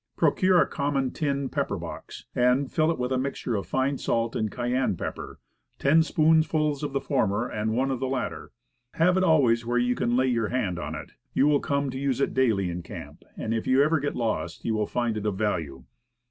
Procure a common tin pepper box, and fill it with a mixture of fine salt and Cayenne pepper ten spoonfuls of the former and one of the latter. Have it always where you can lay your hand on it; you will come to use it daily in camp, and if you ever get lost, you will find it of value.